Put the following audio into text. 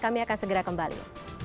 kami akan segera kembali